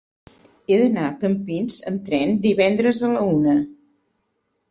He d'anar a Campins amb tren divendres a la una.